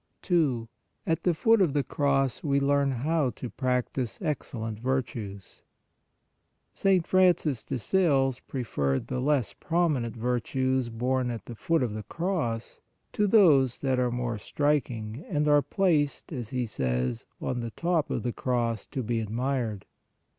2. AT THE FOOT OF THE CROSS WE LEARN HOW TO PRACTISE EXCELLENT VIRTUES. St. Francis de Sales preferred the less prominent virtues born at the foot of the Cross, to those that are more strik ing and are placed, as he says, on the top of the Cross to be admired.